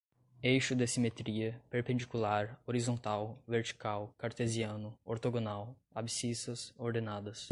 eixo de simetria, perpendicular, horizontal, vertical, cartesiano, ortogonal, abcissas, ordenadas